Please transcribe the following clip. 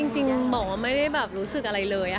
จริงบอกว่าไม่ได้แบบรู้สึกอะไรเลย